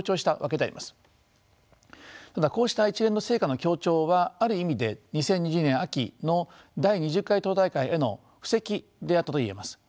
ただこうした一連の成果の強調はある意味で２０２２年秋の第２０回党大会への布石であったといえます。